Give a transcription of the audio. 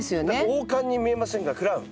王冠に見えませんがクラウン。